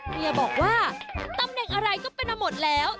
เมียบอกว่าตำแหน่งอะไรก็เป็นมาหมดแล้ว